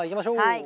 はい！